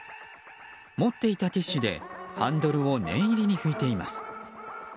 持っていたティッシュでハンドルを念入りに吹いています。